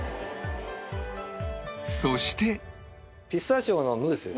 そして